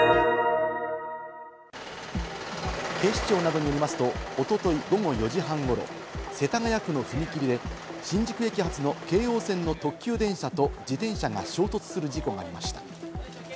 警視庁などによりますと、おととい午後４時半ごろ、世田谷区の踏切で新宿駅発の京王線の特急電車と自転車が衝突する事故がありました。